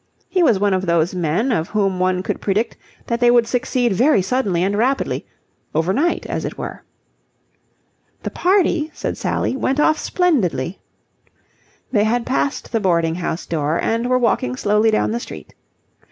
He was one of those men of whom one could predict that they would succeed very suddenly and rapidly overnight, as it were. "The party," said Sally, "went off splendidly." They had passed the boarding house door, and were walking slowly down the street.